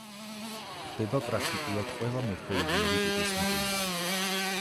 გვხვდება პრაქტიკულად ყველა მორფოლოგიური ტიპის მყინვარი.